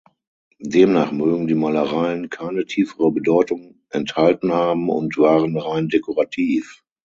Demnach mögen die Malereien keine tiefere Bedeutung enthalten haben und waren rein dekorativ.